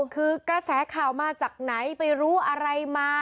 คือกระแสข่าวมาจากไหนไปรู้อะไรมา